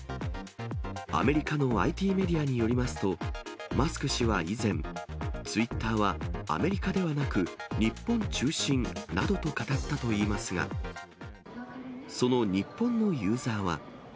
アメリカのＩＴメディアによりますと、マスク氏は以前、ツイッターはアメリカではなく、日本中心などと語ったといいますが、その日本のユーザーは。